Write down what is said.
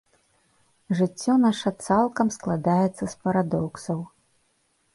Жыццё наша цалкам складаецца з парадоксаў.